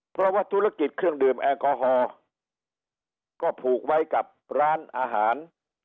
เพราะว่าธุรกิจเครื่องดื่มแอลกอฮอล์ก็ผูกไว้กับร้านอาหาร